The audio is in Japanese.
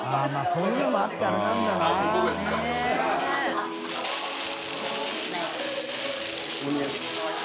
そういうのもあってあれなんだな大雅Ｄ）